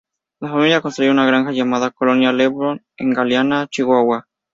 La familia construyó una granja llamada "Colonia LeBaron" en Galeana, Chihuahua.